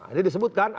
ini disebut kan